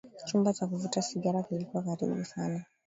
chumba cha kuvuta sigara kilikuwa karibu sana